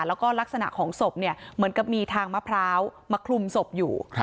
แล้วก็ลักษณะของศพเนี่ยเหมือนกับมีทางมะพร้าวมาคลุมศพอยู่